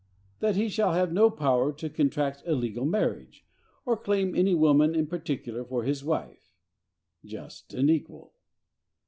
That he shall have no power to contract a legal marriage, or claim any woman in particular for his wife.—Just and equal!